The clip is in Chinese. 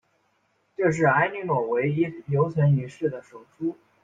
这是埃莉诺唯一留存于世的手书。